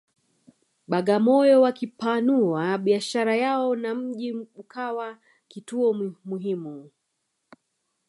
Bagamoyo wakipanua biashara yao na mji ukawa kituo muhimu